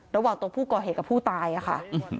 ระหว่างตัวผู้ก่อเหตุกับผู้ตายค่ะ